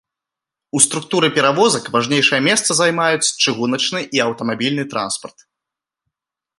У структуры перавозак важнейшае месца займаюць чыгуначны і аўтамабільны транспарт.